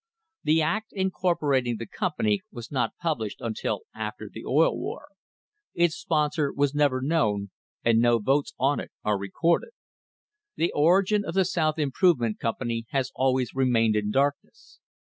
" The act incorporating the company was not published until after the oil war ; its sponsor was never known, and no votes on it are recorded. The origin of the South Improve ment Company has always remained in darkness.